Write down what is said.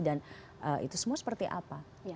dan itu semua seperti apa